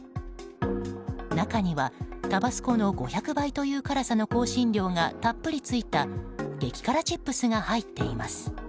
中にはタバスコの５００倍の辛さという香辛料がたっぷりついた激辛チップスが入っています。